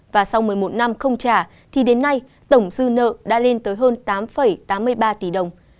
và sau một mươi một năm không trả thì đến nay tổng dư nợ đã lên tới hơn tám tám mươi ba tỷ đồng